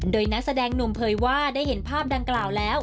โดยนักแสดงหนุ่มเผยว่าได้เห็นภาพดังกล่าวแล้ว